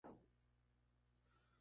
Jugado en Haiti.